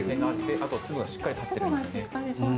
あと粒がしっかり立ってるのでね。